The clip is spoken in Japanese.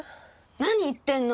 何言ってんの！